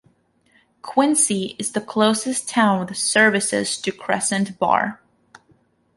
Quincy is the closest town with services to Crescent Bar.